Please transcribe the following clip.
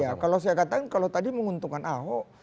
ya kalau saya katakan kalau tadi menguntungkan ahok